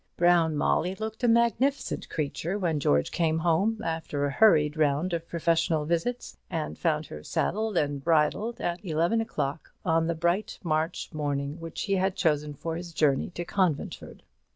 Brown Molly looked a magnificent creature when George came home, after a hurried round of professional visits, and found her saddled and bridled, at eleven o'clock, on the bright March morning which he had chosen for his journey to Conventford.